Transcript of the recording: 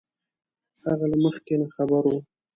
هغه له مخکې نه خبر وو